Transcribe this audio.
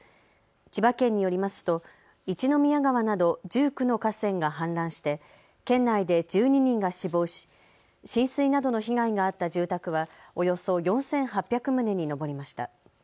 千葉県によりますと一宮川など１９の河川が氾濫して県内で１２人が死亡し浸水などの被害があった住宅はおよそ４８００棟に上りました。